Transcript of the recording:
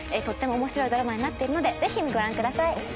とっても面白いドラマになっているのでぜひご覧ください。